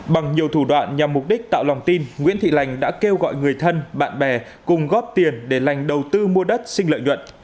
bằng nhiều thủ đoạn nhằm mục đích tạo lòng tin nguyễn thị lành đã kêu gọi người thân bạn bè cùng góp tiền để lành đầu tư mua đất xin lợi nhuận